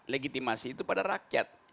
legitimasi itu pada rakyat